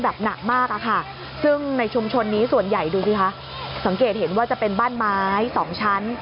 แรงค่ะเพราะว่าบ้านเรือนชาวบ้าน